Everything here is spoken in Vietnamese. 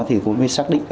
thì cũng mới xác định